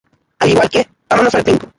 Al igual que "¡Vámonos al bingo!